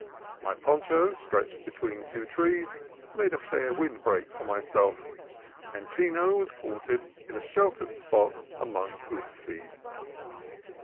My poncho, stretched between two trees, made a fair wind break for myself, and Chino was quartered in a sheltered spot among good feed.